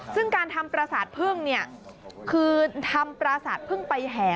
ซึ่งการทำปราศาสตร์พึ่งคือทำปราศาสตร์พึ่งไปแห่